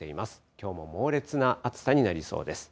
きょうも猛烈な暑さになりそうです。